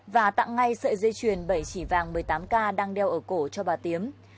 và tặng ngay sợi dây chuyền bảy chỉ vàng một mươi tám k đang đeo ở cổ cho bà thiếm